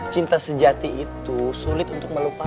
cinta sejati itu sulit untuk melupakan